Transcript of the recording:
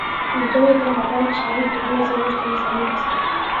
Urtebetean bakarrik sagu-populazioa bost aldiz handitu zen.